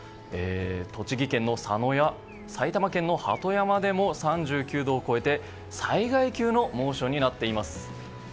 栃木県の佐野や埼玉県の鳩山でも３９度を超えて災害級の猛暑になっています。